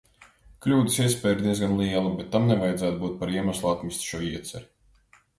Kļūdas iespēja ir diezgan liela, bet tam nevajadzētu būt par iemeslu atmest šo ieceri.